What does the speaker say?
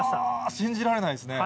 信じられないですね。